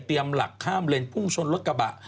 เปรียมหลักข้ามเล่นพุ่งชนรถกระบะ